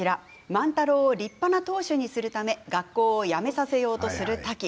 万太郎を立派な当主にするため学校を辞めさせようとするタキ。